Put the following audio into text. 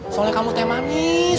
soalnya kamu teh manis